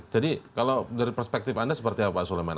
jadi kalau dari perspektif anda seperti apa pak suleman